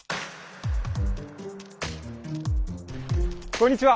こんにちは！